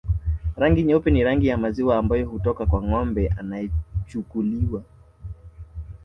Rangi nyeupe ni rangi ya maziwa ambayo hutoka kwa ngombe anayechukuliwa